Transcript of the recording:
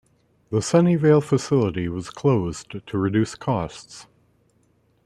The Sunnyvale facility was closed to reduce costs.